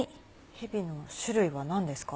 ヘビの種類は何ですか？